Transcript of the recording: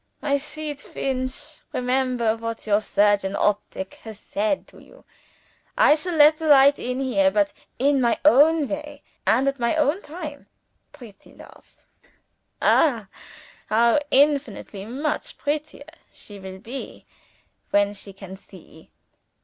"My sweet Feench, remember what your surgeon optic has said to you. I shall let the light in here but in my own way, at my own time. Pretty lofe! Ah, how infinitely much prettier she will be, when she can see!"